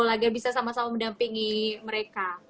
agar bisa sama sama mendampingi mereka